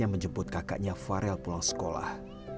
yang menjemput kakaknya farel pulang sekolah